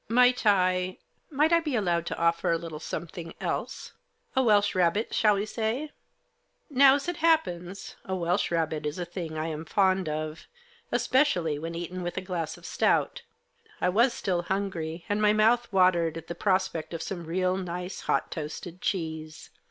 " Might I — might I be allowed to offer a little some thing else. A Welsh rafebit, shall we say ?" Now, as it happens, a Welsh rarebit is a thing that I am fond of, especially when eaten with a glass of stout. I was still hungry, and my mouth watered at the prospect of some real nice, hot toasted cheese.